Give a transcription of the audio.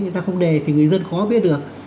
người ta không đề thì người dân khó biết được